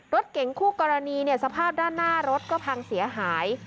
รถเก่งคู่กรณีเนี่ยสภาพด้านหน้ารถก็พังเสียหาย